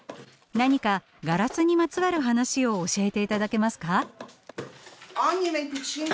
何かガラスにまつわる話を教えて頂けますか。